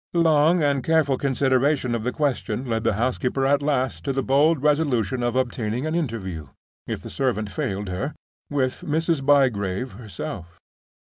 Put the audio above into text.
Long and careful consideration of the question led the housekeeper at last to the bold resolution of obtaining an interview—if the servant failed her—with Mrs. Bygrave herself.